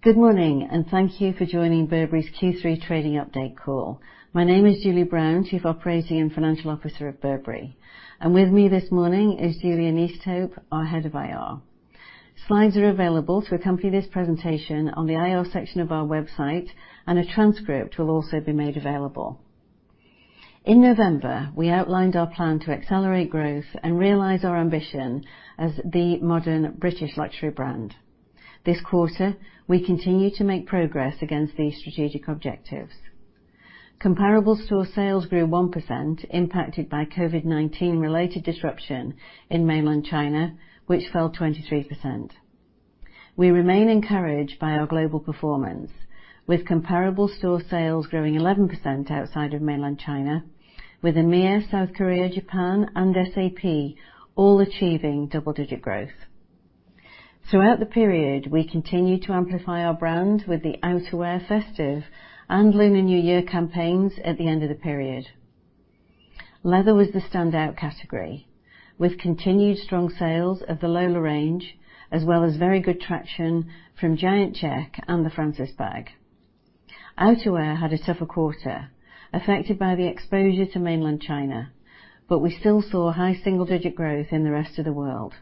Good morning, and thank you for joining Burberry's Q3 trading update call. My name is Julie Brown, Chief Operating and Financial Officer of Burberry. With me this morning is Julian Easthope, our Head of IR. Slides are available to accompany this presentation on the IR section of our website, and a transcript will also be made available. In November, we outlined our plan to accelerate growth and realize our ambition as the modern British luxury brand. This quarter, we continue to make progress against these strategic objectives. Comparable store sales grew 1% impacted by COVID-19 related disruption in Mainland China, which fell 23%. We remain encouraged by our global performance, with comparable store sales growing 11% outside of Mainland China, with EMEA, South Korea, Japan, and SAP all achieving double-digit growth. Throughout the period, we continued to amplify our brand with the outerwear festive and Lunar New Year campaigns at the end of the period. Leather was the standout category, with continued strong sales of the Lola range, as well as very good traction from Giant Check and the Frances bag. Outwear had a tougher quarter affected by the exposure to Mainland China, but we still saw high single-digit growth in the rest of the world.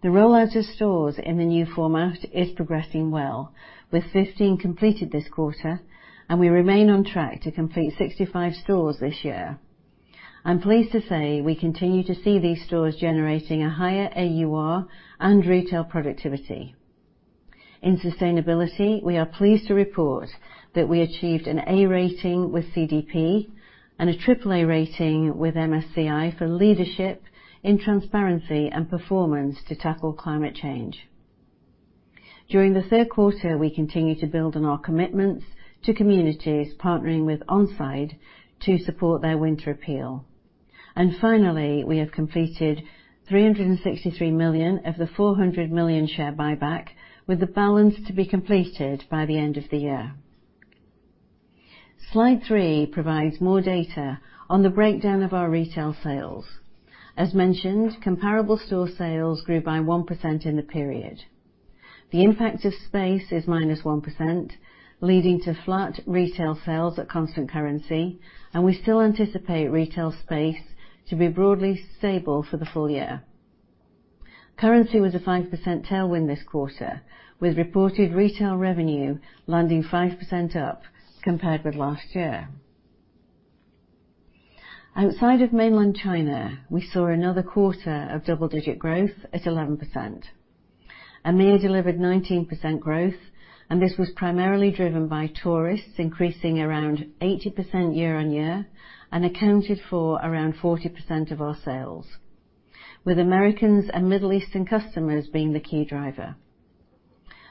The rollout of stores in the new format is progressing well, with 15 completed this quarter, and we remain on track to complete 65 stores this year. I'm pleased to say we continue to see these stores generating a higher AUR and retail productivity. In sustainability, we are pleased to report that we achieved an A rating with CDP and a triple A rating with MSCI for leadership in transparency and performance to tackle climate change. During the third quarter, we continued to build on our commitments to communities partnering with OnSide to support their Winter Appeal. Finally, we have completed 363 million of the 400 million share buyback, with the balance to be completed by the end of the year. Slide three provides more data on the breakdown of our retail sales. As mentioned, comparable store sales grew by 1% in the period. The impact of space is -1%, leading to flat retail sales at constant currency. We still anticipate retail space to be broadly stable for the full year. Currency was a 5% tailwind this quarter, with reported retail revenue landing 5% up compared with last year. Outside of Mainland China, we saw another quarter of double-digit growth at 11%. EMEA delivered 19% growth, this was primarily driven by tourists increasing around 80% year-over-year and accounted for around 40% of our sales, with Americans and Middle Eastern customers being the key driver.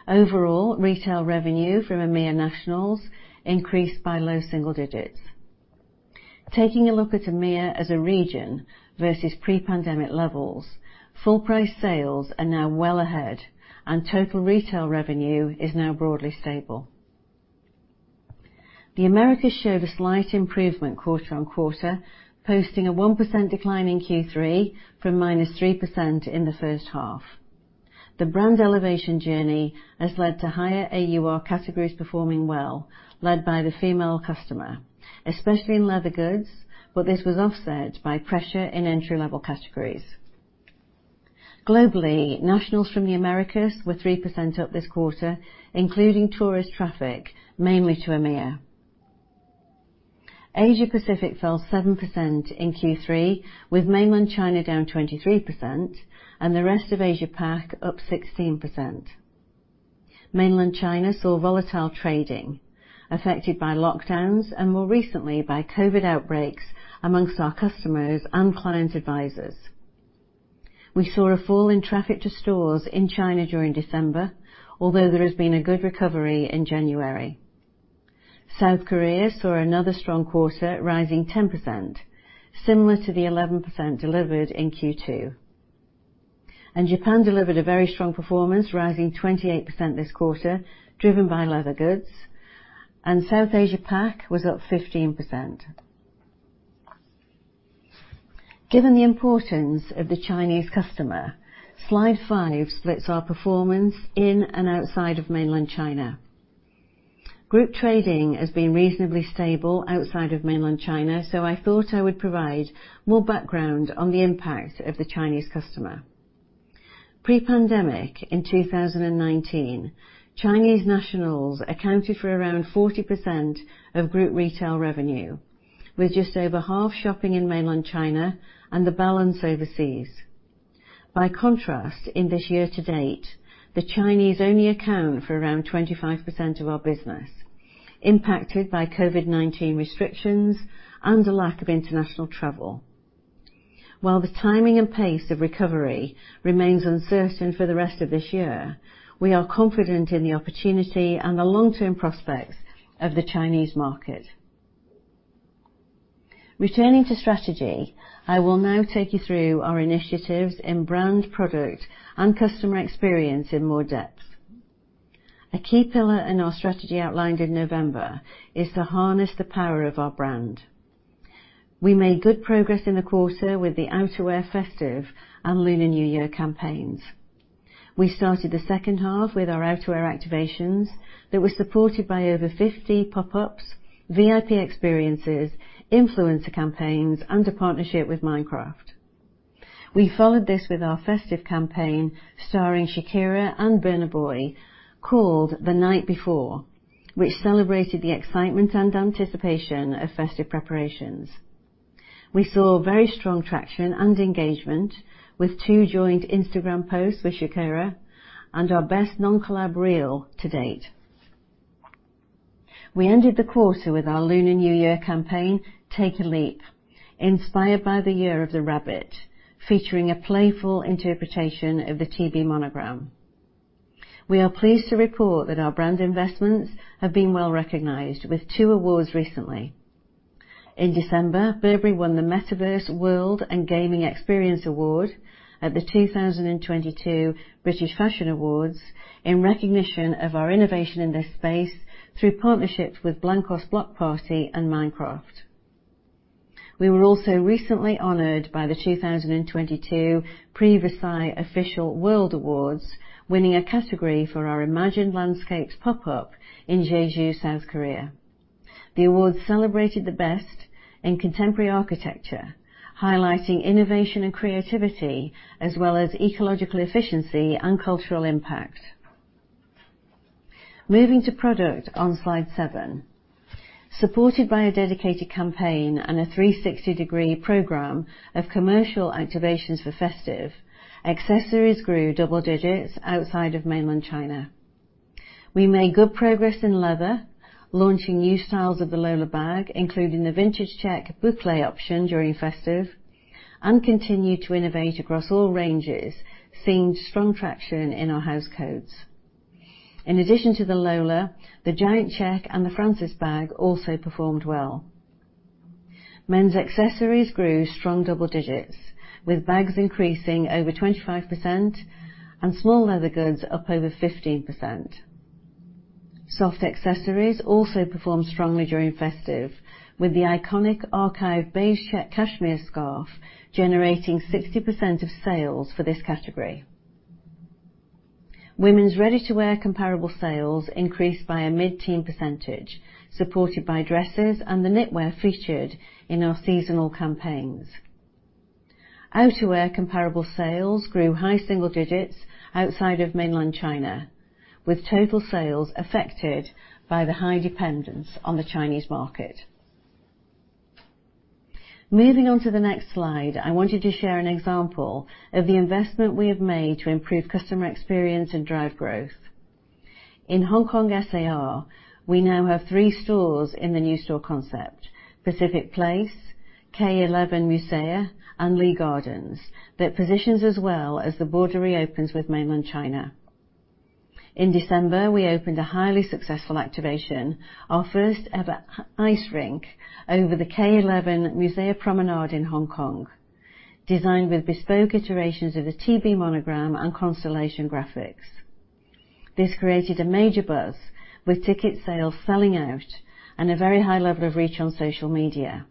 Overall, retail revenue from EMEA nationals increased by low single digits. Taking a look at EMEA as a region versus pre-pandemic levels, full price sales are now well ahead and total retail revenue is now broadly stable. The Americas showed a slight improvement quarter-over-quarter, posting a 1% decline in Q3 from -3% in the first half. The brand elevation journey has led to higher AUR categories performing well, led by the female customer, especially in leather goods. This was offset by pressure in entry-level categories. Globally, nationals from the Americas were 3% up this quarter, including tourist traffic, mainly to EMEA. Asia Pacific fell 7% in Q3, with Mainland China down 23% and the rest of Asia Pac up 16%. Mainland China saw volatile trading affected by lockdowns and more recently by COVID outbreaks amongst our customers and client advisors. We saw a fall in traffic to stores in China during December, although there has been a good recovery in January. South Korea saw another strong quarter rising 10%, similar to the 11% delivered in Q2. Japan delivered a very strong performance, rising 28% this quarter, driven by leather goods, and South Asia Pacific was up 15%. Given the importance of the Chinese customer, slide five splits our performance in and outside of Mainland China. Group trading has been reasonably stable outside of Mainland China, so I thought I would provide more background on the impact of the Chinese customer. Pre-pandemic in 2019, Chinese nationals accounted for around 40% of group retail revenue, with just over half shopping in Mainland China and the balance overseas. By contrast, in this year to date, the Chinese only account for around 25% of our business, impacted by COVID-19 restrictions and a lack of international travel. While the timing and pace of recovery remains uncertain for the rest of this year, we are confident in the opportunity and the long-term prospects of the Chinese market. Returning to strategy, I will now take you through our initiatives in brand, product, and customer experience in more depth. A key pillar in our strategy outlined in November is to harness the power of our brand. We made good progress in the quarter with the outerwear festive and Lunar New Year campaigns. We started the second half with our outerwear activations that were supported by over 50 pop-ups, VIP experiences, influencer campaigns, and a partnership with Minecraft. We followed this with our festive campaign, starring Shakira and Burna Boy, called The Night Before, which celebrated the excitement and anticipation of festive preparations. We saw very strong traction and engagement with two joint Instagram posts with Shakira and our best non-collab reel to date. We ended the quarter with our Lunar New Year campaign, Take a Leap, inspired by the year of the rabbit, featuring a playful interpretation of the TB Monogram. We are pleased to report that our brand investments have been well-recognized with two awards recently. In December, Burberry won the Metaverse World and Gaming Experience Award at the 2022 The Fashion Awards in recognition of our innovation in this space through partnerships with Blankos Block Party and Minecraft. We were also recently honored by the 2022 Prix Versailles Official World Awards, winning a category for our imagined landscapes pop-up in Jeju, South Korea. The awards celebrated the best in contemporary architecture, highlighting innovation and creativity, as well as ecological efficiency and cultural impact. Moving to product on Slide seven. Supported by a dedicated campaign and a 360-degree program of commercial activations for festive, accessories grew double digits outside of Mainland China. We made good progress in leather, launching new styles of the Lola bag, including the Vintage Check bouclé option during festive and continued to innovate across all ranges, seeing strong traction in our house codes. In addition to the Lola, the Giant Check and the Frances bag also performed well. Men's accessories grew strong double digits, with bags increasing over 25% and small leather goods up over 15%. Soft accessories also performed strongly during festive, with the iconic Archive Beige Check Cashmere Scarf generating 60% of sales for this category. Women's ready-to-wear comparable sales increased by a mid-teen percentage, supported by dresses and the knitwear featured in our seasonal campaigns. Outerwear comparable sales grew high single digits outside of Mainland China, with total sales affected by the high dependence on the Chinese market. Moving on to the next slide, I wanted to share an example of the investment we have made to improve customer experience and drive growth. In Hong Kong SAR, we now have three stores in the new store concept, Pacific Place, K11 Musea, and Lee Gardens, that positions us well as the border reopens with Mainland China. In December, we opened a highly successful activation, our first-ever ice rink over the K11 Musea Promenade in Hong Kong, designed with bespoke iterations of the TB Monogram and constellation graphics. This created a major buzz with ticket sales selling out and a very high level of reach on social media.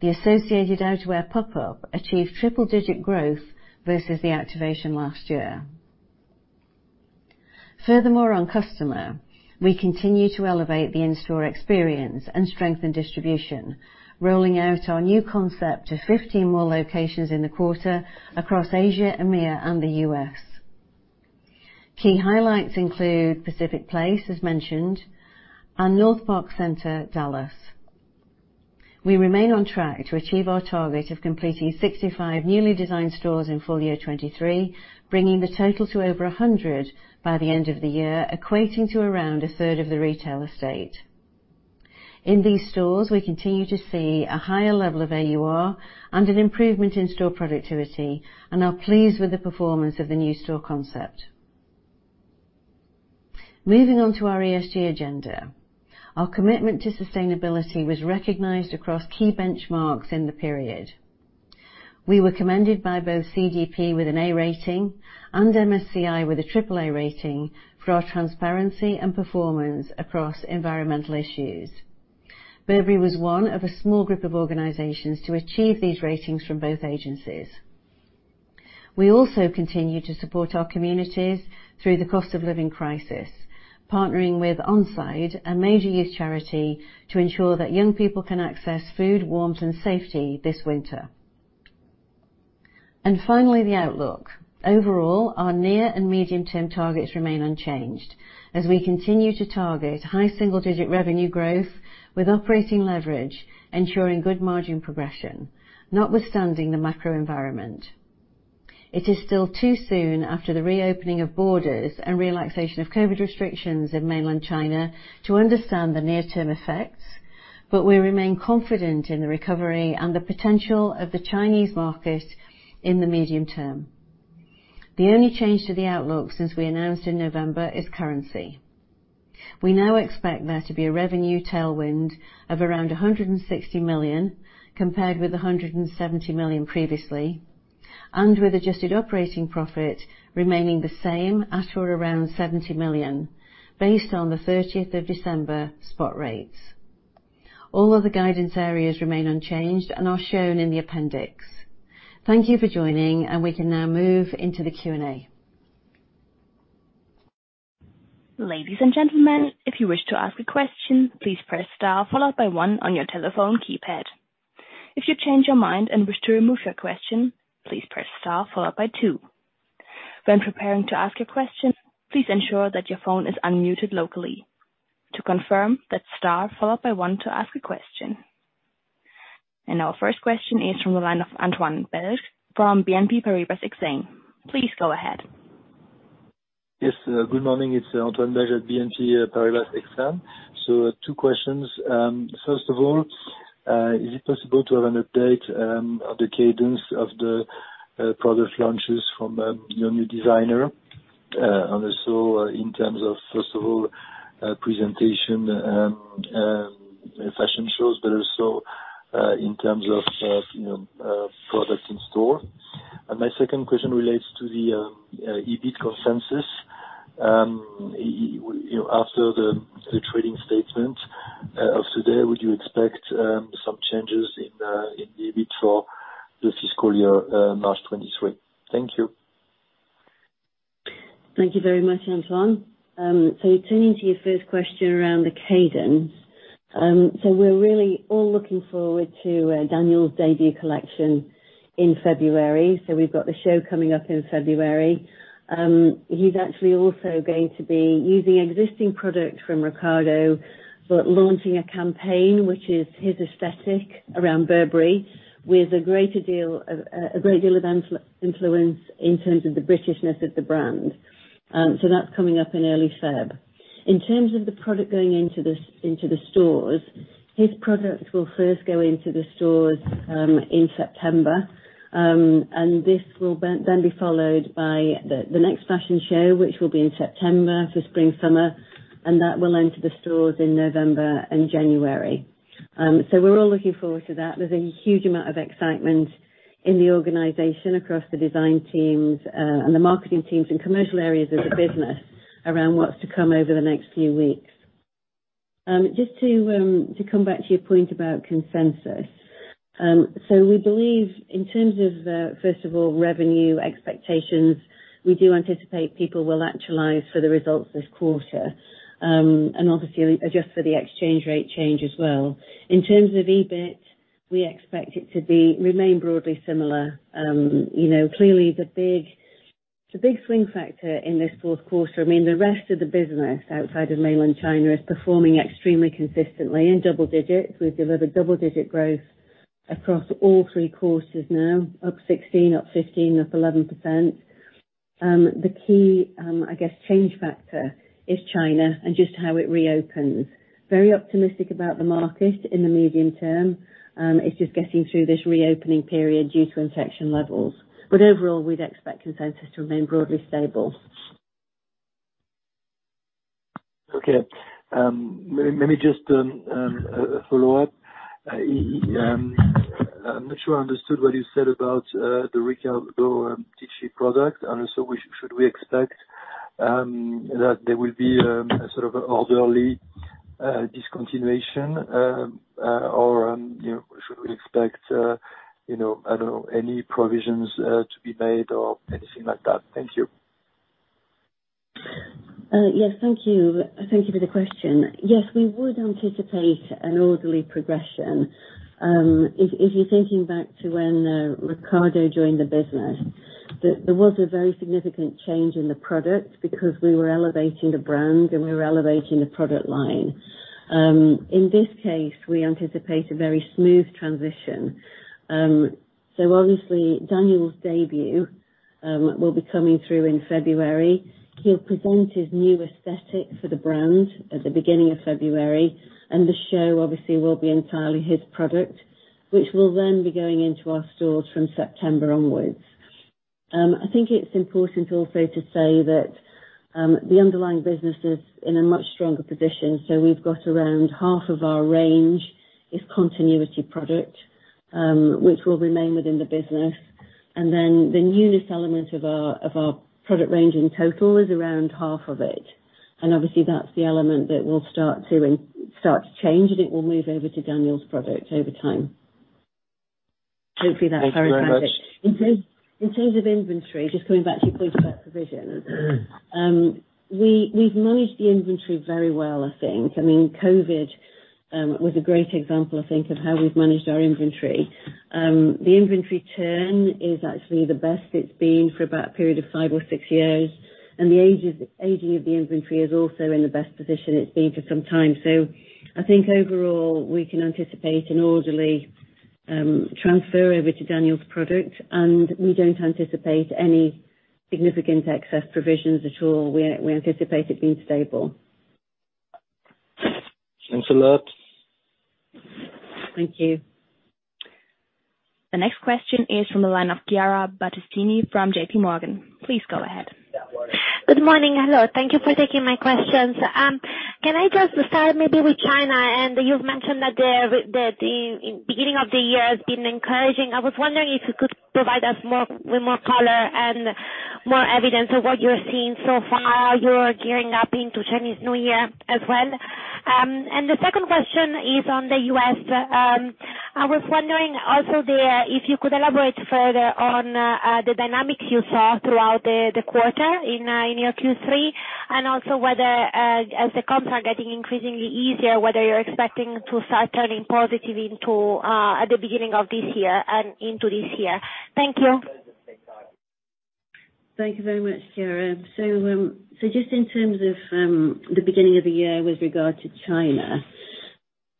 The associated outerwear pop-up achieved triple-digit growth versus the activation last year. On customer, we continue to elevate the in-store experience and strengthen distribution, rolling out our new concept to 50 more locations in the quarter across Asia, EMEA, and the U.S. Key highlights include Pacific Place, as mentioned, and NorthPark Center, Dallas. We remain on track to achieve our target of completing 65 newly designed stores in full year 2023, bringing the total to over 100 by the end of the year, equating to around a third of the retail estate. In these stores, we continue to see a higher level of AUR and an improvement in store productivity, and are pleased with the performance of the new store concept. Moving on to our ESG agenda. Our commitment to sustainability was recognized across key benchmarks in the period. We were commended by both CDP with an A rating and MSCI with a triple A rating for our transparency and performance across environmental issues. Burberry was one of a small group of organizations to achieve these ratings from both agencies. We also continue to support our communities through the cost of living crisis, partnering with OnSide, a major youth charity, to ensure that young people can access food, warmth, and safety this winter. Finally, the outlook. Overall, our near and medium-term targets remain unchanged as we continue to target high single-digit revenue growth with operating leverage, ensuring good margin progression notwithstanding the macro environment. It is still too soon after the reopening of borders and relaxation of COVID restrictions in Mainland China to understand the near-term effects, but we remain confident in the recovery and the potential of the Chinese market in the medium term. The only change to the outlook since we announced in November is currency. We now expect there to be a revenue tailwind of around 160 million, compared with 170 million previously. With adjusted operating profit remaining the same at or around 70 million, based on the 30th of December spot rates. All other guidance areas remain unchanged and are shown in the appendix. Thank you for joining. We can now move into the Q&A. Ladies and gentlemen, if you wish to ask a question, please press star followed by one on your telephone keypad. If you change your mind and wish to remove your question, please press star followed by two. When preparing to ask a question, please ensure that your phone is unmuted locally. To confirm, that's star followed by one to ask a question. Our first question is from the line of Antoine Belge from BNP Paribas Exane. Please go ahead. Yes. Good morning. It's Antoine Belge at BNP Paribas Exane. Two questions. First of all, is it possible to have an update on the cadence of the product launches from your new designer? Also in terms of first of all, presentation, fashion shows, but also in terms of, you know, products in store. My second question relates to the EBIT consensus. You know, after the trading statement of today, would you expect some changes in EBIT for the fiscal year, March 2023? Thank you. Thank you very much, Antoine Belge. Turning to your first question around the cadence. We're really all looking forward to Daniel's debut collection in February, so we've got the show coming up in February. He's actually also going to be using existing product from Riccardo Tisci, but launching a campaign which is his aesthetic around Burberry, with a greater deal of a great deal of influence in terms of the Britishness of the brand. That's coming up in early Feb. In terms of the product going into the stores, his product will first go into the stores in September. And this will then be followed by the next fashion show, which will be in September for spring/summer, and that will enter the stores in November and January. We're all looking forward to that. There's a huge amount of excitement in the organization across the design teams, and the marketing teams and commercial areas of the business around what's to come over the next few weeks. Just to come back to your point about consensus. We believe in terms of the, first of all, revenue expectations, we do anticipate people will actualize for the results this quarter, and obviously adjust for the exchange rate change as well. In terms of EBIT, we expect it to be remain broadly similar. You know, clearly the big swing factor in this fourth quarter, I mean, the rest of the business outside of mainland China is performing extremely consistently in double digits. We've delivered double-digit growth across all 3 quarters now, up 16, up 15, up 11%. The key, I guess, change factor is China and just how it reopens. Very optimistic about the market in the medium term, it's just getting through this reopening period due to infection levels. Overall, we'd expect consensus to remain broadly stable. Okay. Let me just follow up. I'm not sure I understood what you said about the Riccardo Tisci product. Also, should we expect that there will be a sort of orderly discontinuation? Or, you know, should we expect, you know, I don't know, any provisions to be made or anything like that? Thank you. Yes. Thank you. Thank you for the question. Yes, we would anticipate an orderly progression. If you're thinking back to when Riccardo Tisci joined the business, there was a very significant change in the product because we were elevating the brand and we were elevating the product line. In this case, we anticipate a very smooth transition. Obviously Daniel's debut will be coming through in February. He'll present his new aesthetic for the brand at the beginning of February, and the show obviously will be entirely his product, which will then be going into our stores from September onwards. I think it's important also to say that the underlying business is in a much stronger position, so we've got around half of our range is continuity product, which will remain within the business. The newest element of our product range in total is around half of it. Obviously that's the element that will start to change, and it will move over to Daniel's product over time. Hopefully that's programmatic. Thank you very much. In terms of inventory, just coming back to your point about provision. We've managed the inventory very well, I think. I mean, COVID was a great example, I think, of how we've managed our inventory. The inventory turn is actually the best it's been for about a period of five or six years, and the aging of the inventory is also in the best position it's been for some time. I think overall, we can anticipate an orderly transfer over to Daniel's product, and we don't anticipate any significant excess provisions at all. We anticipate it being stable. Thanks a lot. Thank you. The next question is from the line of Chiara Battistini from J.P. Morgan. Please go ahead. Good morning. Hello. Thank you for taking my questions. Can I just start maybe with China? You've mentioned that the beginning of the year has been encouraging. I was wondering if you could provide us more, with more color and more evidence of what you're seeing so far. You're gearing up into Lunar New Year as well. The second question is on the U.S. I was wondering also there, if you could elaborate further on the dynamics you saw throughout the quarter in your Q3 and also whether as the comps are getting increasingly easier, whether you're expecting to start turning positive into at the beginning of this year and into this year. Thank you. Thank you very much, Chiara. Just in terms of the beginning of the year with regard to China,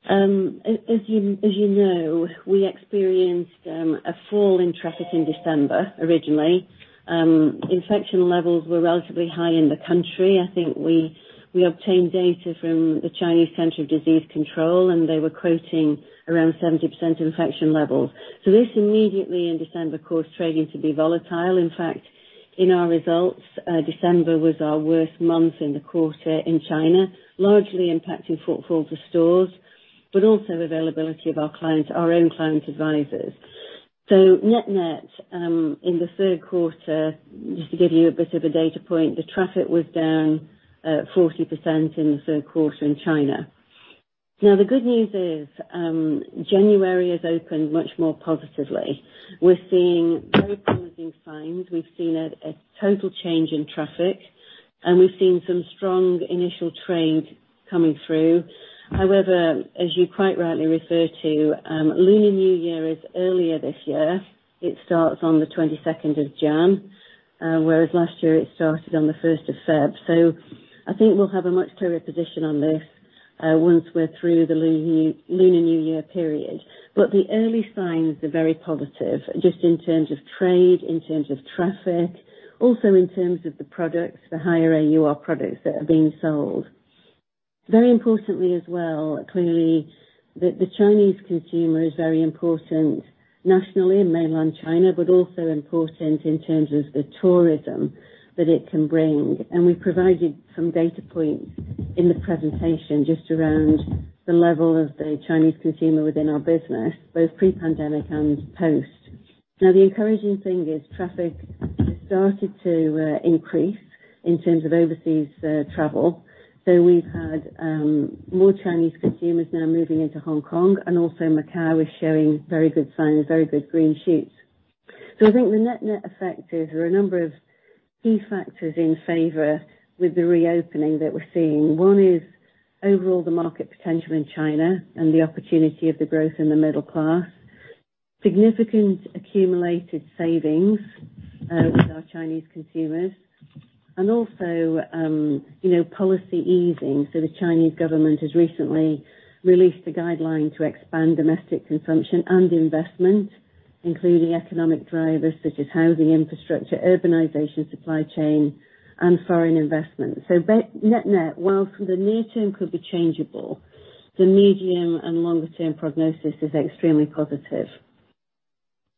as you know, we experienced a fall in traffic in December, originally. Infection levels were relatively high in the country. I think we obtained data from the Chinese Center of Disease Control, and they were quoting around 70% infection levels. This immediately in December caused trading to be volatile. In fact, in our results, December was our worst month in the quarter in China, largely impacting footfall to stores, but also availability of our clients, our own client advisors. Net-net, in the third quarter, just to give you a bit of a data point, the traffic was down 40% in the third quarter in China. The good news is, January has opened much more positively. We're seeing very promising signs. We've seen a total change in traffic, and we've seen some strong initial trade coming through. As you quite rightly refer to, Lunar New Year is earlier this year. It starts on the 22nd of January, whereas last year it started on the first of February. I think we'll have a much clearer position on this once we're through the Lunar New Year period. The early signs are very positive, just in terms of trade, in terms of traffic, also in terms of the products, the higher AUR products that are being sold. Very importantly as well, clearly the Chinese consumer is very important nationally in mainland China, but also important in terms of the tourism that it can bring. We provided some data points in the presentation just around the level of the Chinese consumer within our business, both pre-pandemic and post. The encouraging thing is traffic has started to increase in terms of overseas travel. We've had more Chinese consumers now moving into Hong Kong, and also Macau is showing very good signs, very good green shoots. I think the net-net effect is there are a number of key factors in favor with the reopening that we're seeing. One is overall the market potential in China and the opportunity of the growth in the middle class. Significant accumulated savings with our Chinese consumers. Also, you know, policy easing. The Chinese government has recently released a guideline to expand domestic consumption and investment, including economic drivers such as housing, infrastructure, urbanization, supply chain, and foreign investment. Net-net, whilst the near term could be changeable, the medium and longer term prognosis is extremely positive.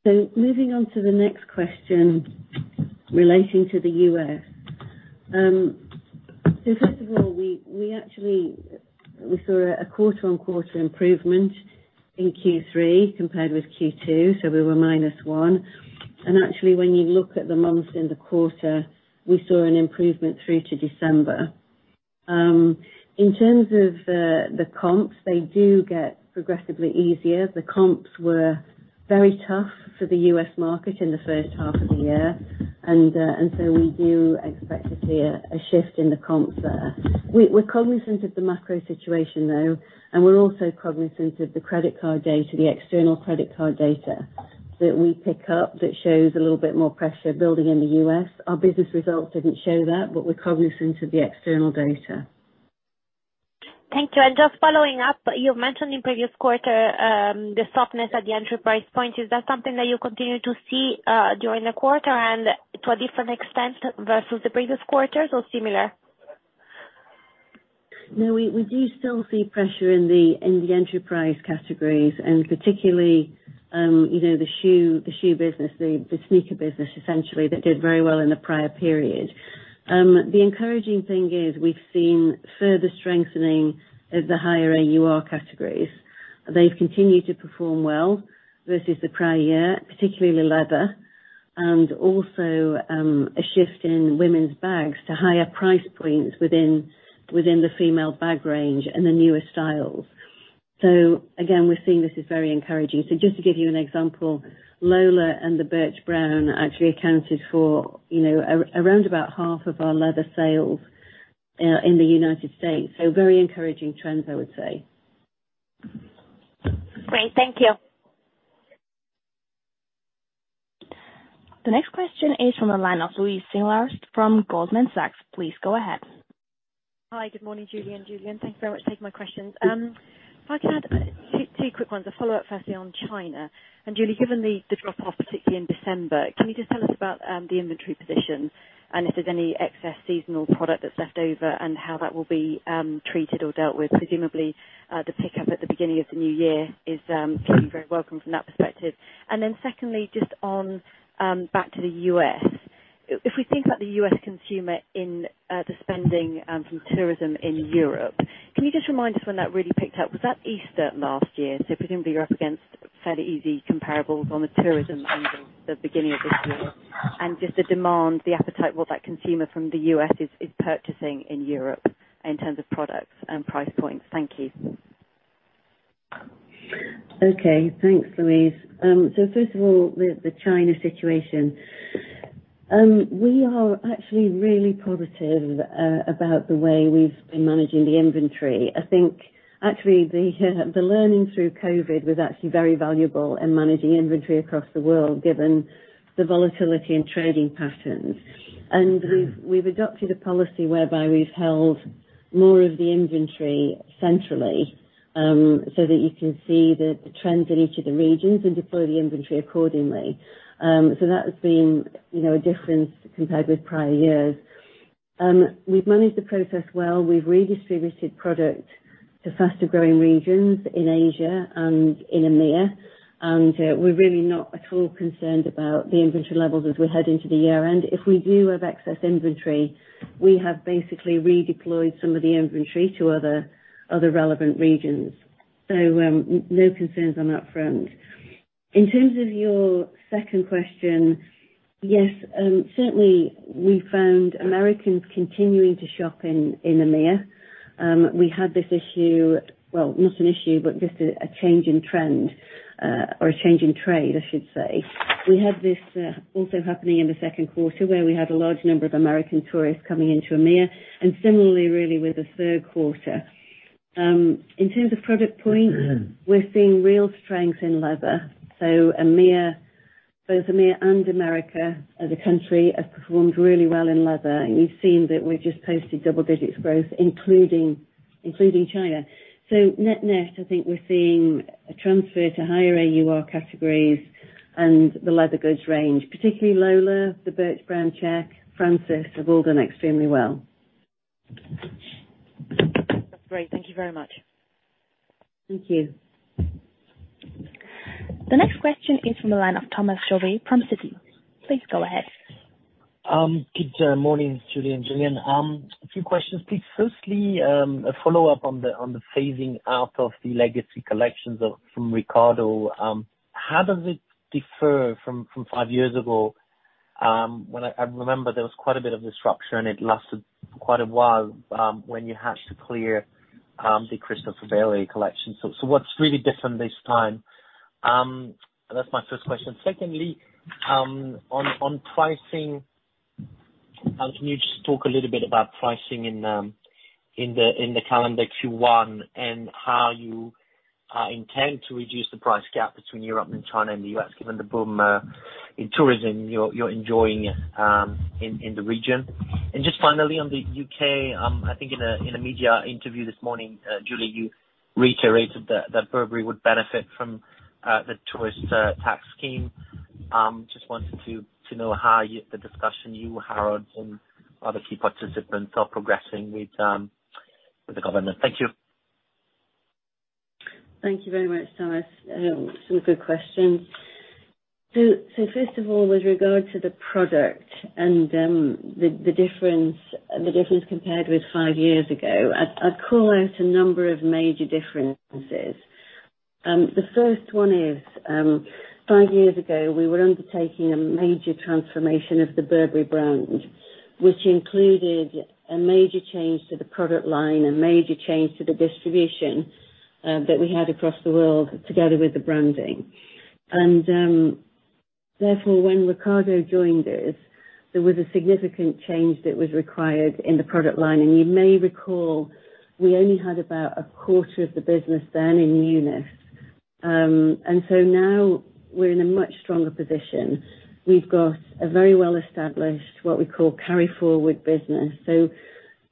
Moving on to the next question relating to the U.S. First of all, we actually saw a quarter-on-quarter improvement in Q3 compared with Q2, so we were -1%. Actually, when you look at the months in the quarter, we saw an improvement through to December. In terms of the comps, they do get progressively easier. The comps were very tough for the U.S. market in the first half of the year. We do expect to see a shift in the comps there. We're cognizant of the macro situation though, and we're also cognizant of the credit card data, the external credit card data that we pick up that shows a little bit more pressure building in the U.S. Our business results didn't show that, but we're cognizant of the external data. Thank you. Just following up, you've mentioned in previous quarter, the softness at the enterprise point. Is that something that you continue to see, during the quarter and to a different extent versus the previous quarters or similar? No, we do still see pressure in the enterprise categories and particularly, you know, the shoe business, the sneaker business essentially, that did very well in the prior period. The encouraging thing is we've seen further strengthening of the higher AUR categories. They've continued to perform well versus the prior year, particularly leather, and also, a shift in women's bags to higher price points within the female bag range and the newer styles. Again, we're seeing this as very encouraging. Just to give you an example, Lola and the Birch Brown actually accounted for, you know, around about half of our leather sales in the United States. Very encouraging trends I would say. Great. Thank you. The next question is from a line of Louise Singlehurst from Goldman Sachs. Please go ahead. Hi, good morning Julie and Julian. Thank you very much for taking my questions. If I could add 2 quick ones. A follow-up firstly on China. Julie, given the drop-off, particularly in December, can you just tell us about the inventory position and if there's any excess seasonal product that's left over and how that will be treated or dealt with? Presumably, the pickup at the beginning of the new year is very welcome from that perspective. Secondly, just on back to the U.S. If we think about the U.S. consumer in the spending from tourism in Europe, can you just remind us when that really picked up? Was that Easter last year? Presumably you're up against fairly easy comparables on the tourism angle at the beginning of this year. Just the demand, the appetite, what that consumer from the U.S. is purchasing in Europe in terms of products and price points. Thank you. Okay. Thanks, Louise. First of all, the China situation. We are actually really positive about the way we've been managing the inventory. I think actually the learning through COVID was actually very valuable in managing inventory across the world, given the volatility in trading patterns. We've adopted a policy whereby we've held more of the inventory centrally, so that you can see the trends in each of the regions and deploy the inventory accordingly. That has been, you know, a difference compared with prior years. We've managed the process well. We've redistributed product to faster-growing regions in Asia and in EMEA. We're really not at all concerned about the inventory levels as we head into the year-end. If we do have excess inventory, we have basically redeployed some of the inventory to other relevant regions. No concerns on that front. In terms of your second question, yes, certainly we found Americans continuing to shop in EMEA. We had this issue, well, not an issue, but just a change in trend or a change in trade, I should say. We had this also happening in the second quarter where we had a large number of American tourists coming into EMEA, and similarly really with the third quarter. In terms of product points, we're seeing real strength in leather. EMEA, both EMEA and America as a country, have performed really well in leather. You've seen that we've just posted double-digit growth, including China. Net-net, I think we're seeing a transfer to higher AUR categories and the leather goods range, particularly Lola, the Birch Brown Check, Frances, have all done extremely well. That's great. Thank you very much. Thank you. The next question is from the line of Thomas Chauvet from Citi. Please go ahead. Good morning Julie and Julian. A few questions, please. Firstly, a follow-up on the phasing out of the legacy collections of, from Riccardo. How does it differ from five years ago? When I remember there was quite a bit of disruption, and it lasted for quite a while, when you had to clear the Christopher Bailey collection. What's really different this time? That's my first question. Secondly, on pricing, can you just talk a little bit about pricing in the calendar Q1 and how you intend to reduce the price gap between Europe and China and the U.S., given the boom in tourism you're enjoying in the region? Just finally on the U.K., I think in a media interview this morning, Julie, you reiterated that Burberry would benefit from the tourist tax scheme. Just wanted to know how you, the discussion you, Harrods and other key participants are progressing with the government. Thank you. Thank you very much, Thomas. Some good questions. First of all, with regard to the product and the difference compared with five years ago, I'd call out a number of major differences. The first one is, five years ago, we were undertaking a major transformation of the Burberry brand, which included a major change to the product line, a major change to the distribution that we had across the world together with the branding. Therefore, when Riccardo joined us, there was a significant change that was required in the product line. You may recall we only had about a quarter of the business then in newness. Now we're in a much stronger position. We've got a very well-established, what we call carry-forward business.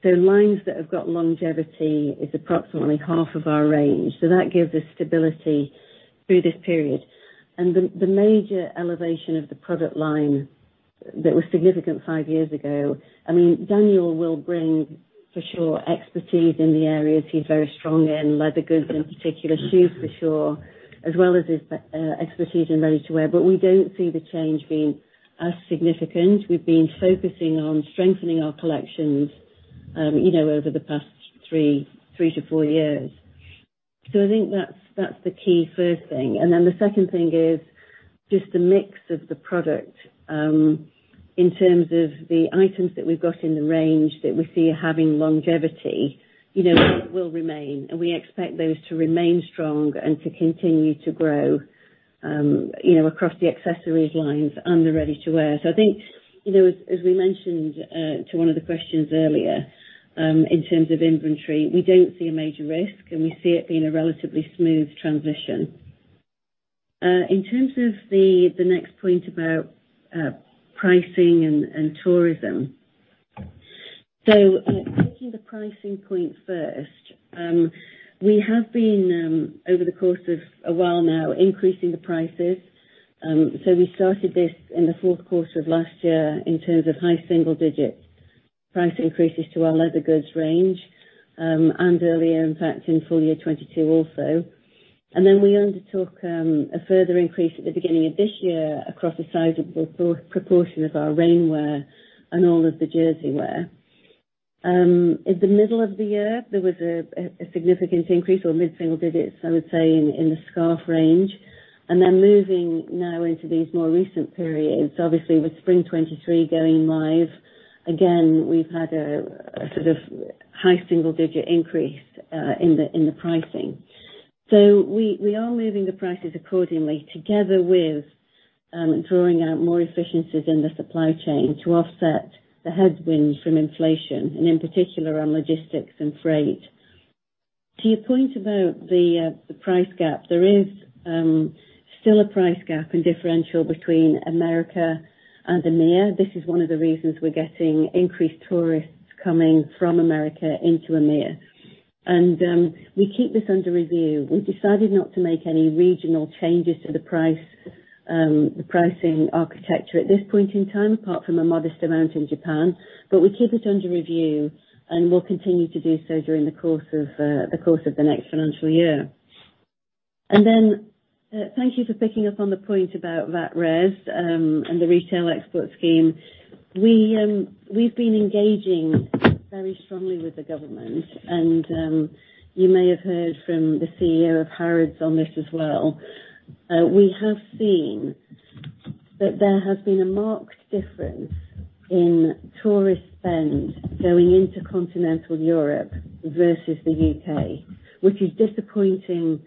Lines that have got longevity is approximately half of our range. That gives us stability through this period. The major elevation of the product line that was significant five years ago, I mean Daniel will bring for sure expertise in the areas he's very strong in, leather goods in particular, shoes for sure, as well as his expertise in ready-to-wear. We don't see the change being as significant. We've been focusing on strengthening our collections, you know, over the past three to four years. I think that's the key first thing. The second thing is just the mix of the product, in terms of the items that we've got in the range that we see are having longevity, you know, will remain. We expect those to remain strong and to continue to grow, you know, across the accessories lines and the ready-to-wear. I think, you know, as we mentioned, to one of the questions earlier, in terms of inventory, we don't see a major risk, and we see it being a relatively smooth transition. In terms of the next point about, pricing and tourism. Taking the pricing point first, we have been, over the course of a while now increasing the prices. We started this in the fourth quarter of last year in terms of high single-digit price increases to our leather goods range, and earlier in fact in full year 2022 also. We undertook a further increase at the beginning of this year across a sizable proportion of our rainwear and all of the jerseywear. In the middle of the year, there was a significant increase or mid-single digits, I would say, in the scarf range. Moving now into these more recent periods, obviously with spring 2023 going live, again, we've had a sort of high single digit increase in the pricing. We are moving the prices accordingly, together with drawing out more efficiencies in the supply chain to offset the headwinds from inflation, and in particular around logistics and freight. To your point about the price gap, there is still a price gap and differential between America and EMEA. This is one of the reasons we're getting increased tourists coming from America into EMEA. We keep this under review. We've decided not to make any regional changes to the pricing architecture at this point in time, apart from a modest amount in Japan. We keep it under review, and we'll continue to do so during the course of the next financial year. Thank you for picking up on the point about VAT RES and the retail export scheme. We've been engaging very strongly with the government and you may have heard from the CEO of Harrods on this as well. We have seen that there has been a marked difference in tourist spend going into continental Europe versus the U.K., which is disappointing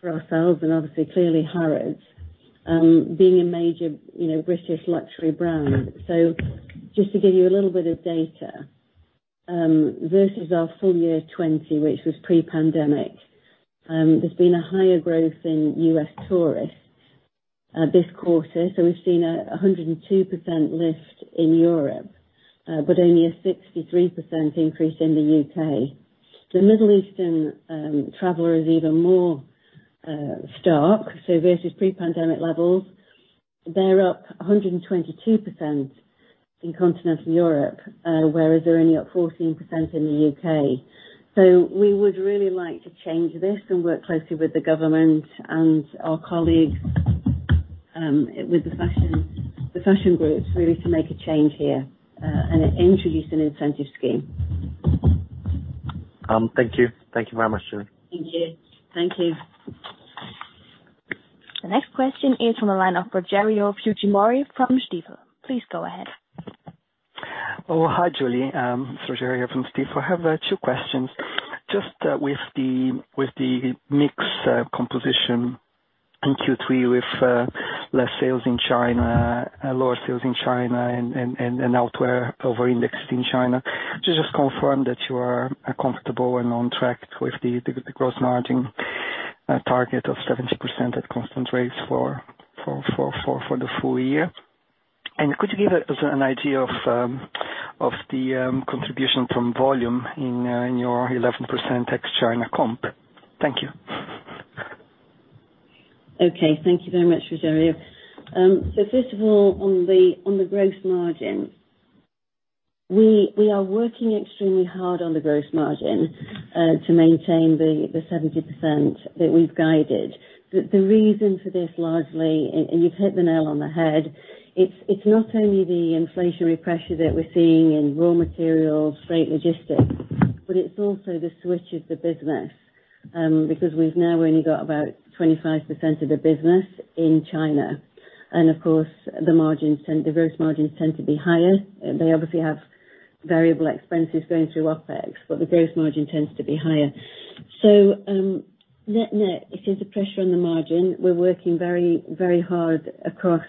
for ourselves and obviously clearly Harrods, being a major, you know, British luxury brand. Just to give you a little bit of data, versus our full year 2020, which was pre-pandemic, there's been a higher growth in U.S. tourists this quarter. We've seen a 102% lift in Europe, but only a 63% increase in the U.K. The Middle Eastern traveler is even more stark. Versus pre-pandemic levels, they're up 122% in continental Europe, whereas they're only up 14% in the U.K. We would really like to change this and work closely with the government and our colleagues, with the fashion groups, really to make a change here, and introduce an incentive scheme. Thank you. Thank you very much, Julie. Thank you. Thank you. The next question is from the line of Rogerio Fujimori from Stifel. Please go ahead. Oh, hi, Julie. It's Rogerio from Stifel. I have two questions. Just with the mix composition in Q3 with less sales in China, lower sales in China and outdoor over-indexed in China, can you just confirm that you are comfortable and on track with the gross margin target of 70% at constant rates for the full year? Could you give us an idea of the contribution from volume in your 11% ex China comp? Thank you. Okay. Thank you very much, Rogerio. First of all, on the gross margin, we are working extremely hard on the gross margin to maintain the 70% that we've guided. The reason for this largely, and you've hit the nail on the head, it's not only the inflationary pressure that we're seeing in raw materials, freight logistics, but it's also the switch of the business because we've now only got about 25% of the business in China. Of course, the gross margins tend to be higher. They obviously have variable expenses going through OpEx, but the gross margin tends to be higher. Net net, it is a pressure on the margin. We're working very, very hard across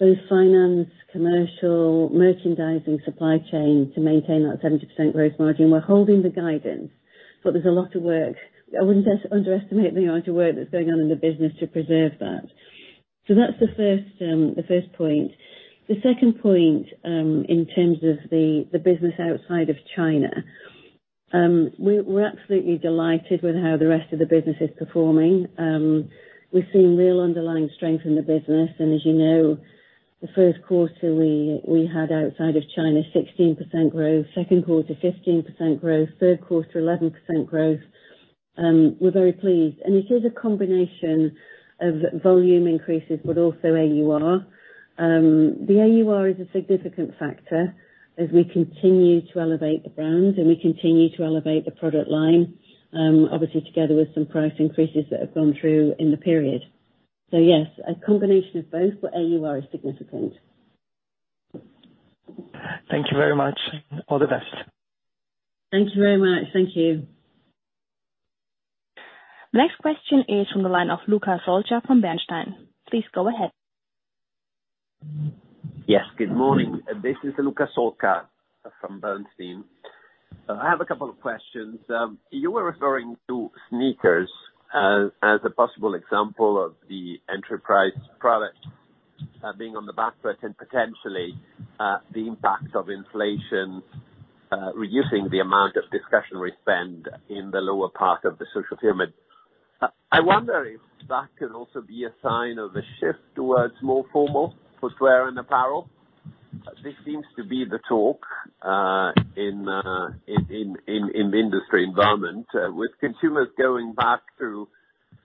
both finance, commercial, merchandising, supply chain to maintain that 70% gross margin. We're holding the guidance, but there's a lot of work. I wouldn't underestimate the amount of work that's going on in the business to preserve that. That's the first point. The second point, in terms of the business outside of China, we're absolutely delighted with how the rest of the business is performing. We've seen real underlying strength in the business, and as you know, the first quarter we had outside of China, 16% growth, second quarter, 15% growth, third quarter, 11% growth. We're very pleased. It is a combination of volume increases, but also AUR. The AUR is a significant factor as we continue to elevate the brand, we continue to elevate the product line, obviously together with some price increases that have gone through in the period. Yes, a combination of both, but AUR is significant. Thank you very much. All the best. Thank you very much. Thank you. Next question is from the line of Luca Solca from Bernstein. Please go ahead. Yes. Good morning. This is Luca Solca from Bernstein. I have a couple of questions. You were referring to sneakers as a possible example of the enterprise product, being on the back foot and potentially the impact of inflation reducing the amount of discretionary spend in the lower part of the social pyramid. I wonder if that can also be a sign of a shift towards more formal footwear and apparel. This seems to be the talk in the industry environment, with consumers going back to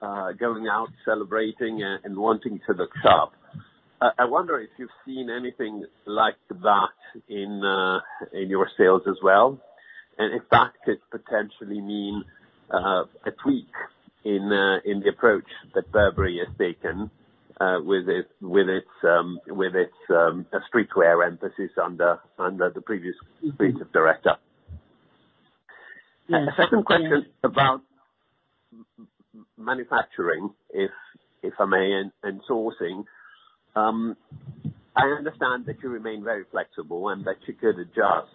going out celebrating and wanting to look sharp. I wonder if you've seen anything like that in your sales as well, and if that could potentially mean, a tweak in the approach that Burberry has taken, with its streetwear emphasis under the previous creative director. Yeah. The second question is about manufacturing, if I may, and sourcing. I understand that you remain very flexible and that you could adjust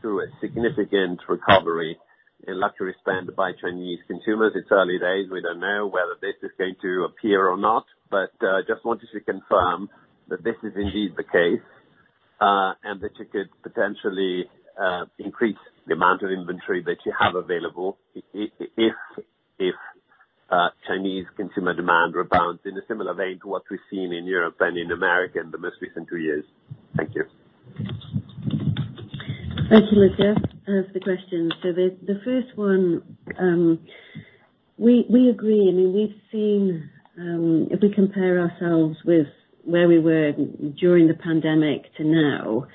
through a significant recovery in luxury spend by Chinese consumers. It's early days. We don't know whether this is going to appear or not, but just wanted to confirm that this is indeed the case, and that you could potentially increase the amount of inventory that you have available if Chinese consumer demand rebounds in a similar vein to what we've seen in Europe and in America in the most recent two years. Thank you. Thank you, Luca, for the questions. The first one, we agree. I mean, we've seen. If we compare ourselves with where we were during the pandemic to now,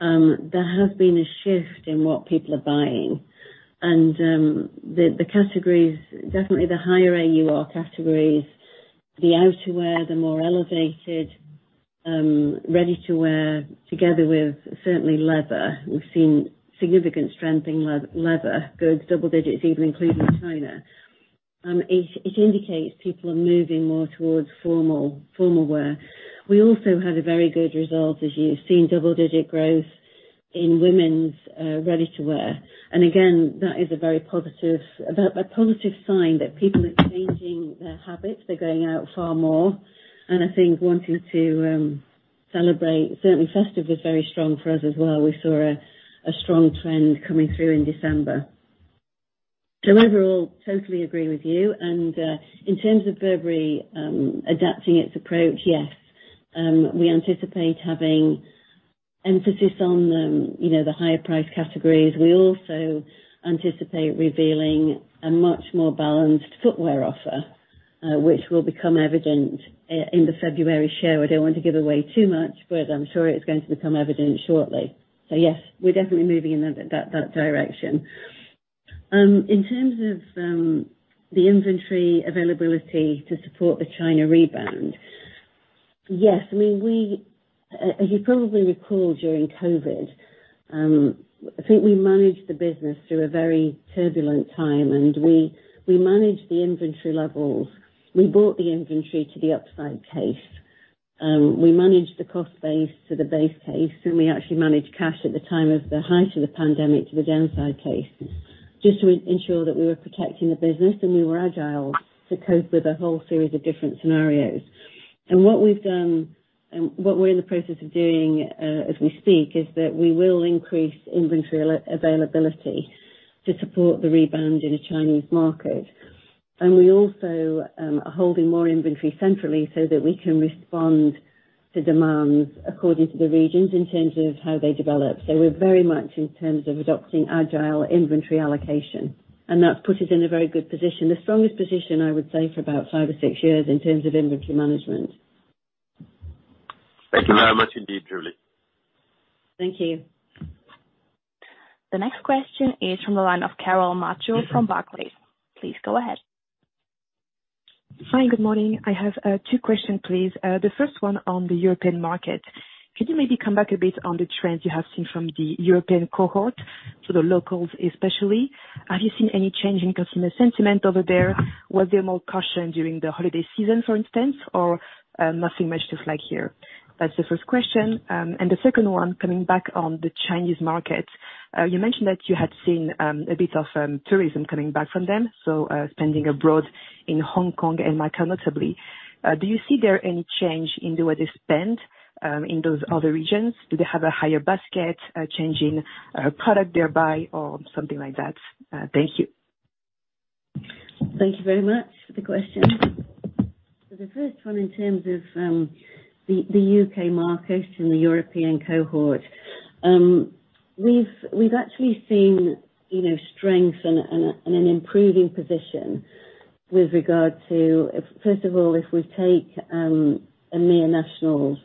there has been a shift in what people are buying. The categories, definitely the higher AUR categories, the outerwear, the more elevated ready-to-wear together with certainly leather. We've seen significant strength in leather, good double digits even including China. It indicates people are moving more towards formal wear. We also had a very good result as you've seen double-digit growth in women's ready-to-wear. Again, that is a very positive sign that people are changing their habits. They're going out far more and I think wanting to celebrate. Certainly festive was very strong for us as well. We saw a strong trend coming through in December. Overall, totally agree with you. In terms of Burberry adapting its approach, yes, we anticipate having emphasis on, you know, the higher priced categories. We also anticipate revealing a much more balanced footwear offer, which will become evident in the February show. I don't want to give away too much, but I'm sure it's going to become evident shortly. Yes, we're definitely moving in that direction. In terms of the inventory availability to support the China rebound. Yes, I mean, as you probably recall during COVID, I think we managed the business through a very turbulent time and we managed the inventory levels. We bought the inventory to the upside case. We managed the cost base to the base case, and we actually managed cash at the time of the height of the pandemic to the downside case, just to ensure that we were protecting the business and we were agile to cope with a whole series of different scenarios. What we've done, and what we're in the process of doing, as we speak, is that we will increase inventory availability to support the rebound in the Chinese market. We also are holding more inventory centrally so that we can respond to demands according to the regions in terms of how they develop. We're very much in terms of adopting agile inventory allocation, and that's put us in a very good position. The strongest position, I would say, for about five or six years in terms of inventory management. Thank you very much indeed, Julie. Thank you. The next question is from the line of Carole Madjo from Barclays. Please go ahead. Hi, good morning. I have two questions, please. The first one on the European market. Could you maybe come back a bit on the trends you have seen from the European cohort, so the locals especially? Have you seen any change in customer sentiment over there? Were they more cautious during the holiday season, for instance, or nothing much just like here? That's the first question. The second one coming back on the Chinese market. You mentioned that you had seen a bit of tourism coming back from them, so spending abroad in Hong Kong and Macau notably. Do you see there any change in the way they spend in those other regions? Do they have a higher basket, a change in product they're buying or something like that? Thank you. Thank you very much for the question. For the first one in terms of the UK market and the European cohort, we've actually seen, you know, strength and an improving position with regard to. First of all, if we take EMEA nationals,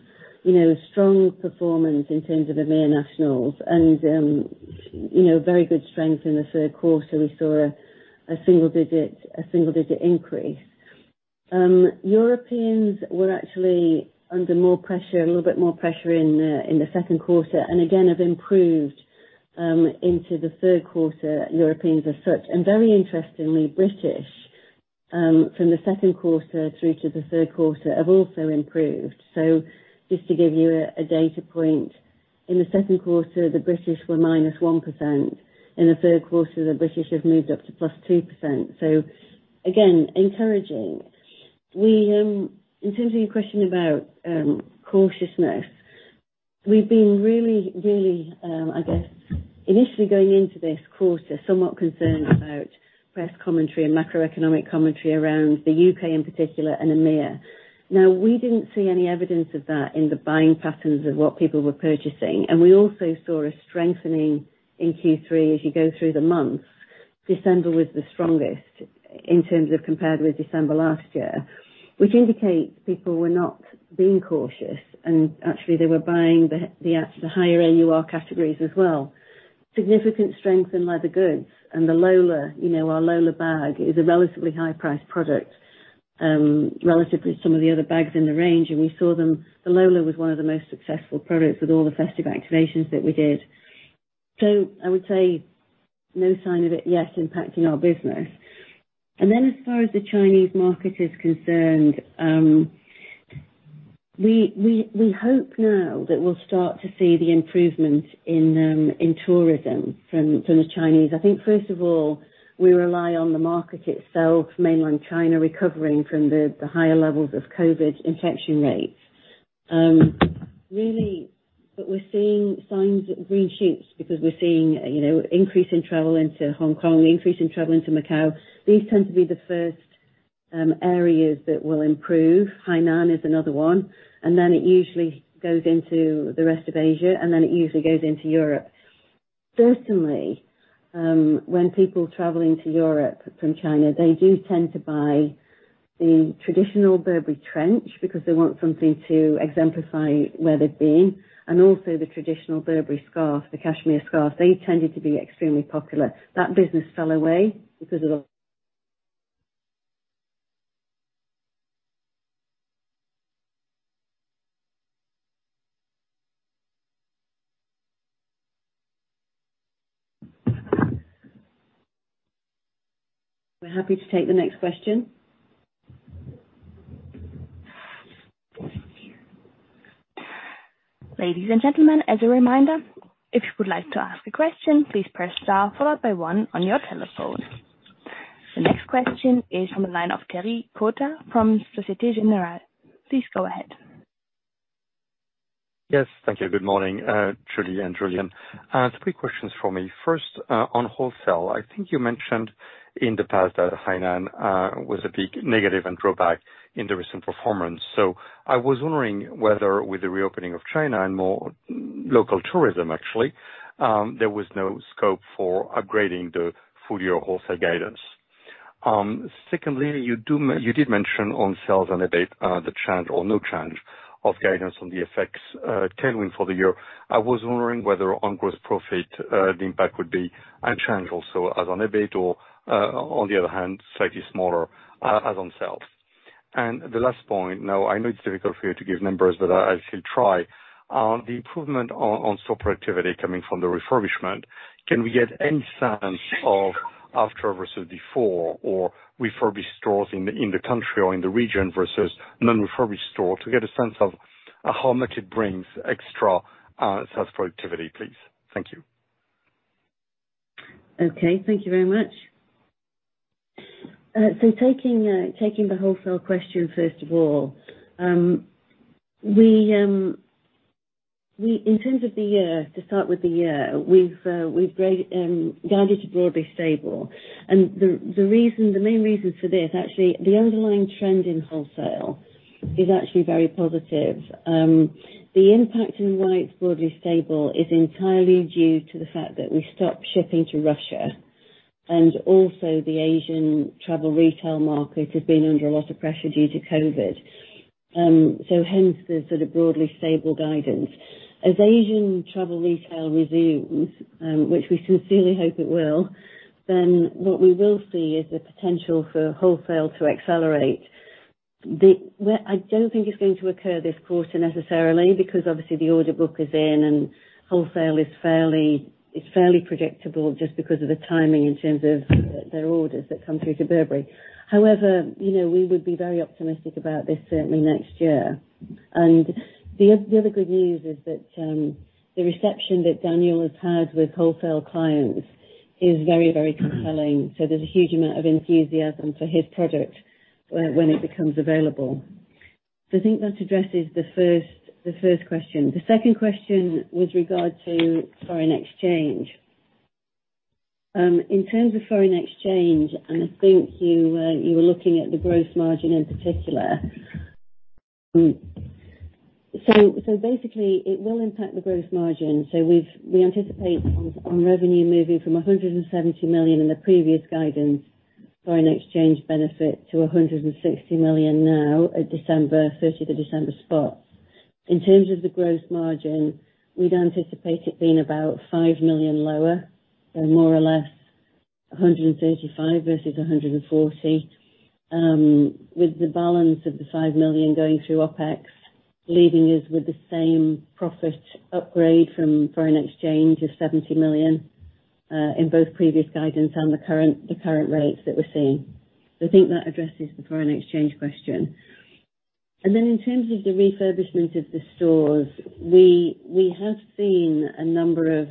you know, strong performance in terms of EMEA nationals and, you know, very good strength in the third quarter. We saw a single digit increase. Europeans were actually under more pressure, a little bit more pressure in the second quarter, and again have improved into the third quarter, Europeans as such. Very interestingly, British from the second quarter through to the third quarter have also improved. Just to give you a data point. In the second quarter, the British were -1%. In the third quarter, the British have moved up to +2%. Again, encouraging. We, in terms of your question about cautiousness, we've been really, really, I guess, initially going into this quarter, somewhat concerned about press commentary and macroeconomic commentary around the UK in particular and EMEA. We didn't see any evidence of that in the buying patterns of what people were purchasing. We also saw a strengthening in Q3 as you go through the months. December was the strongest in terms of compared with December last year, which indicates people were not being cautious and actually they were buying the higher AUR categories as well. Significant strength in leather goods and the Lola. You know, our Lola bag is a relatively high-priced product, relatively to some of the other bags in the range, and we saw them... The Lola was one of the most successful products with all the festive activations that we did. I would say no sign of it yet impacting our business. As far as the Chinese market is concerned, we hope now that we'll start to see the improvement in tourism from the Chinese. I think first of all, we rely on the market itself, mainland China, recovering from the higher levels of COVID infection rates. Really, we're seeing signs of green shoots because we're seeing, you know, increase in travel into Hong Kong, the increase in travel into Macau. These tend to be the first areas that will improve. Hainan is another one, it usually goes into the rest of Asia, it usually goes into Europe. Certainly, when people travel into Europe from China, they do tend to buy the traditional Burberry trench because they want something to exemplify where they've been, and also the traditional Burberry scarf, the cashmere scarf. They tended to be extremely popular. That business fell away because of. We're happy to take the next question. Ladies and gentlemen, as a reminder, if you would like to ask a question, please press star followed by 1 on your telephone. The next question is from the line of Thierry Cota from Société Générale. Please go ahead. Yes. Thank you. Good morning, Julie and Julian. Three questions for me. First, on wholesale. I think you mentioned in the past that Hainan was a big negative and drawback in the recent performance. I was wondering whether with the reopening of China and more local tourism actually, there was no scope for upgrading the full year wholesale guidance. Secondly, you did mention on sales and EBIT, the change or no change of guidance on the FX tailwind for the year. I was wondering whether on gross profit, the impact would be unchanged also as on EBIT, or, on the other hand, slightly smaller, as on sales. The last point, now I know it's difficult for you to give numbers, but I shall try. The improvement on store productivity coming from the refurbishment, can we get any sense of after versus before, or refurb stores in the country or in the region versus non-refurb store to get a sense of how much it brings extra sales productivity, please? Thank you. Okay. Thank you very much. Taking the wholesale question first of all. In terms of the year, to start with the year, we've guided to broadly stable. The reason, the main reason for this, actually, the underlying trend in wholesale is actually very positive. The impact in why it's broadly stable is entirely due to the fact that we stopped shipping to Russia. Also the Asian travel retail market has been under a lot of pressure due to COVID. Hence the sort of broadly stable guidance. As Asian travel retail resumes, which we sincerely hope it will, then what we will see is the potential for wholesale to accelerate. The, where I don't think it's going to occur this quarter necessarily, because obviously the order book is in and wholesale is fairly predictable just because of the timing in terms of their orders that come through to Burberry. However, you know, we would be very optimistic about this certainly next year. The other good news is that the reception that Daniel has had with wholesale clients is very, very compelling. There's a huge amount of enthusiasm for his product when it becomes available. I think that addresses the first question. The second question was regard to foreign exchange. In terms of foreign exchange, I think you were looking at the gross margin in particular. Basically it will impact the gross margin. We anticipate on revenue moving from 170 million in the previous guidance foreign exchange benefit to 160 million now at December 30th of December spot. In terms of the gross margin, we'd anticipate it being about 5 million lower, so more or less 135 versus 140. With the balance of the 5 million going through OpEx, leaving us with the same profit upgrade from foreign exchange of 70 million in both previous guidance and the current, the current rates that we're seeing. I think that addresses the foreign exchange question. Then in terms of the refurbishment of the stores, we have seen a number of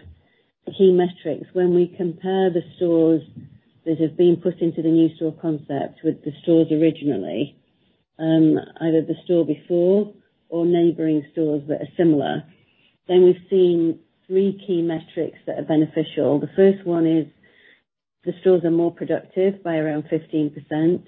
key metrics. When we compare the stores that have been put into the new store concept with the stores originally, either the store before or neighboring stores that are similar, then we've seen three key metrics that are beneficial. The first one is the stores are more productive by around 15%.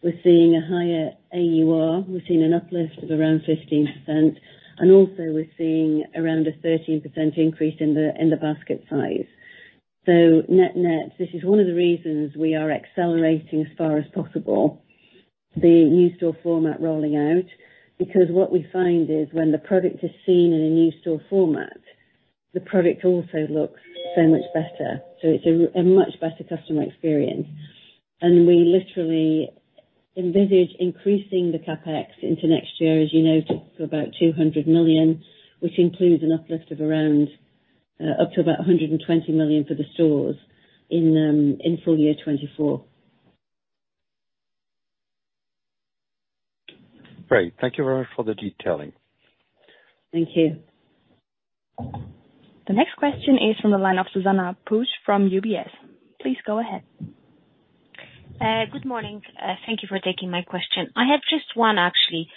We're seeing a higher AUR. We're seeing an uplift of around 15%, and also we're seeing around a 13% increase in the basket size. Net-net, this is one of the reasons we are accelerating as far as possible the new store format rolling out, because what we find is when the product is seen in a new store format, the product also looks so much better, so it's a much better customer experience. We literally envisage increasing the CapEx into next year, as you know, to about 200 million, which includes an uplift of around, up to about 120 million for the stores in full year 2024. Great. Thank you very much for the detailing. Thank you. The next question is from the line of Zuzanna Pusz from UBS. Please go ahead. Good morning. Thank you for taking my question. I have just one, actually.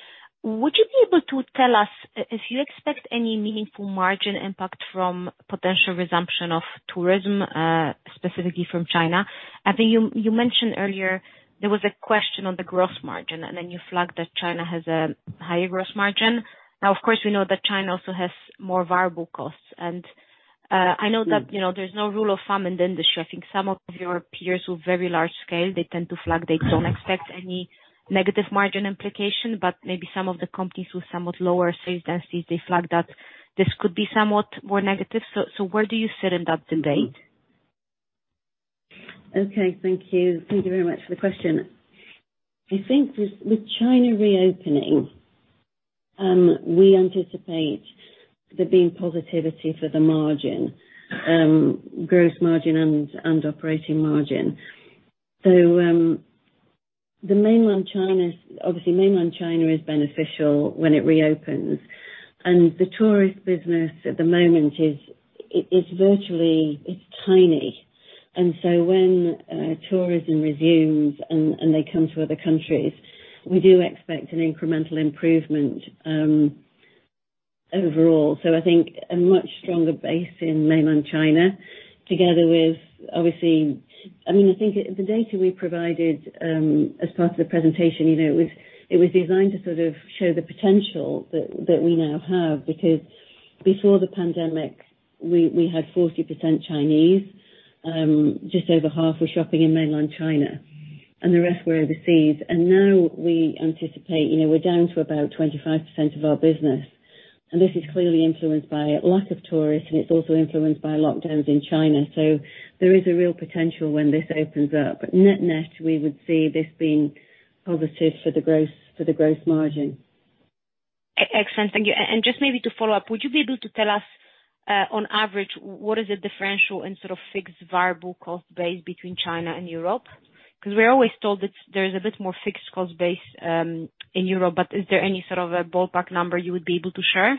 Would you be able to tell us if you expect any meaningful margin impact from potential resumption of tourism, specifically from China? I think you mentioned earlier there was a question on the gross margin, and then you flagged that China has a higher gross margin. Now, of course, we know that China also has more variable costs. I know that, you know, there's no rule of thumb in the industry. I think some of your peers with very large scale, they tend to flag they don't expect any negative margin implication, but maybe some of the companies with somewhat lower sales density, they flag that this could be somewhat more negative. Where do you sit in that debate? Thank you. Thank you very much for the question. I think with China reopening, we anticipate there being positivity for the margin, gross margin and operating margin. Obviously, mainland China is beneficial when it reopens. The tourist business at the moment it's virtually, it's tiny. When tourism resumes and they come to other countries, we do expect an incremental improvement overall. I think a much stronger base in mainland China together with obviously. I mean, I think the data we provided as part of the presentation, you know, it was, it was designed to sort of show the potential that we now have because before the pandemic, we had 40% Chinese. Just over half were shopping in mainland China and the rest were overseas. Now we anticipate, you know, we're down to about 25% of our business, and this is clearly influenced by lack of tourists, and it's also influenced by lockdowns in China. There is a real potential when this opens up. Net-net, we would see this being positive for the gross, for the gross margin. Excellent. Thank you. Just maybe to follow up, would you be able to tell us, on average, what is the differential in sort of fixed variable cost base between China and Europe? Because we're always told there's a bit more fixed cost base in Europe, but is there any sort of a ballpark number you would be able to share?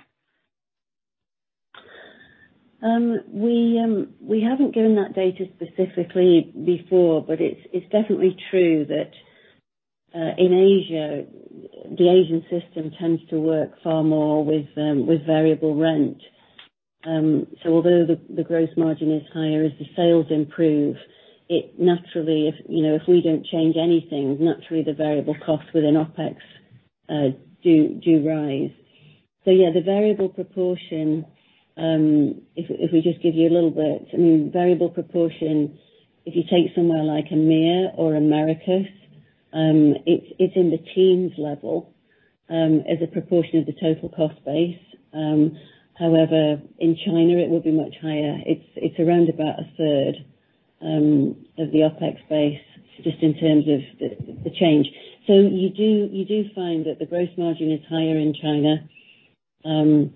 We haven't given that data specifically before, it's definitely true that in Asia, the Asian system tends to work far more with variable rent. Although the gross margin is higher, as the sales improve, it naturally, you know, if we don't change anything, naturally the variable costs within OpEx do rise. The variable proportion, if we just give you a little bit, I mean, variable proportion, if you take somewhere like EMEA or Americas, it's in the teens level as a proportion of the total cost base. In China it will be much higher. It's around about a third of the OpEx base just in terms of the change. You do find that the gross margin is higher in China.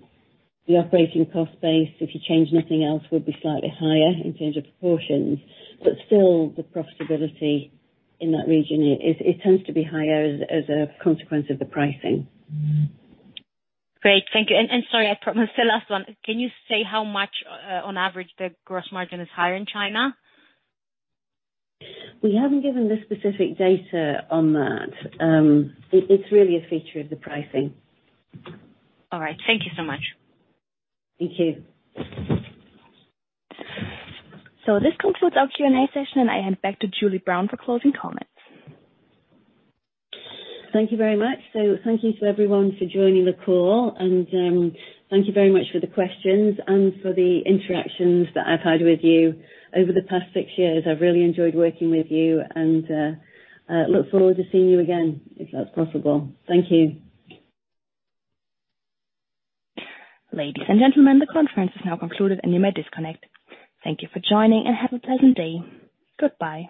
The operating cost base, if you change nothing else, would be slightly higher in terms of proportions. Still, the profitability in that region is. It tends to be higher as a consequence of the pricing. Great. Thank you. Sorry, I promise the last one. Can you say how much on average the gross margin is higher in China? We haven't given the specific data on that. It's really a feature of the pricing. All right. Thank you so much. Thank you. This concludes our Q&A session, and I hand back to Julie Brown for closing comments. Thank you very much. Thank you to everyone for joining the call, and thank you very much for the questions and for the interactions that I've had with you over the past six years. I've really enjoyed working with you and look forward to seeing you again, if that's possible. Thank you. Ladies and gentlemen, the conference is now concluded, and you may disconnect. Thank you for joining, and have a pleasant day. Goodbye.